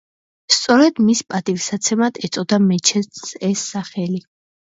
სწორედ მის პატივსაცემად ეწოდა მეჩეთს ეს სახელი.